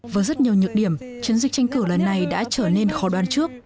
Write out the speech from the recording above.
với rất nhiều nhược điểm chiến dịch tranh cử lần này đã trở nên khó đoán trước